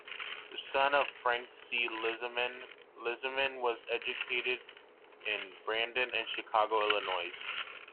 The son of Frank C. Lissaman, Lissaman was educated in Brandon and Chicago, Illinois.